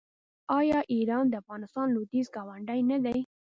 آیا ایران د افغانستان لویدیځ ګاونډی نه دی؟